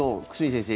先生